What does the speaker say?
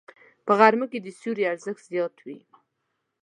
په غرمه کې د سیوري ارزښت زیات وي